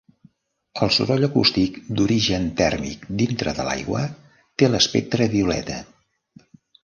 El soroll acústic d'origen tèrmic dintre de l'aigua té l'espectre violeta.